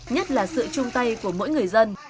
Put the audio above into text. nhất là sự chung tay của mỗi người dân